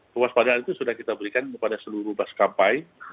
kewaspadaan itu sudah kita berikan kepada seluruh maskapai